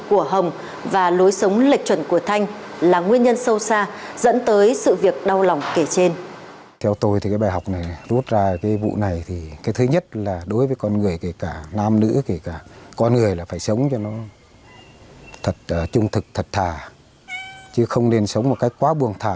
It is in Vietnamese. của hồng và lối sống lệch chuẩn của thanh là nguyên nhân sâu xa dẫn tới sự việc đau lòng kể trên